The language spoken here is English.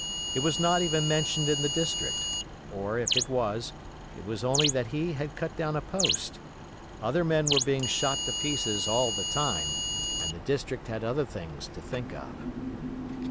It was not even mentioned in the district; or, if it was, it was only that he had cut down a post; other men were being shot to pieces all the time and the district had other things to think of.